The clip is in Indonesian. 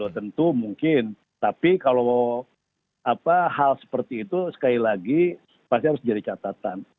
tentu mungkin tapi kalau hal seperti itu sekali lagi pasti harus jadi catatan